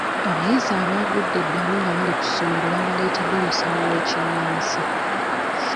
Abayizi abaagudde eddalu nga bali ku somero baabaletedde omusawo w'ekinnansi.